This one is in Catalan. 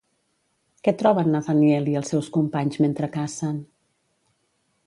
Què troben Nathaniel i els seus companys mentre cacen?